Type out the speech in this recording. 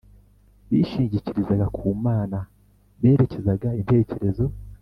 bishingikirizaga ku mana berekezaga intekerezo